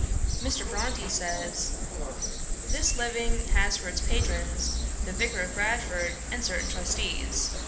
Mr. Bronte says, "This living has for its patrons the Vicar of Bradford and certain trustees.